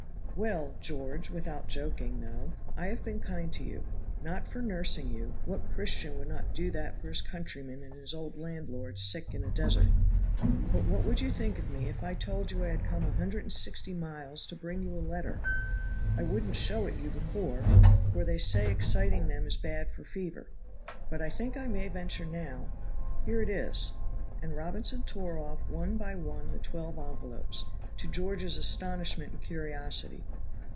"Well, George without joking, though I have been kind to you. Not for nursing you what Christian would not do that for his countryman and his old landlord sick in a desert? but what would you think of me if I told you I had come a hundred and sixty miles to bring you a letter? I wouldn't show it you before, for they say exciting them is bad for fever, but I think I may venture now; here it is." And Robinson tore off one by one the twelve envelopes, to George's astonishment and curiosity.